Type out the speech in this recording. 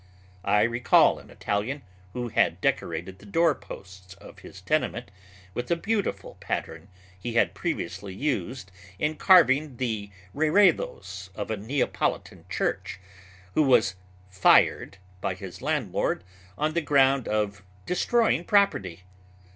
I recall an Italian, who had decorated the doorposts of his tenement with a beautiful pattern he had previously used in carving the reredos of a Neapolitan church, who was "fired" by his landlord on the ground of destroying property.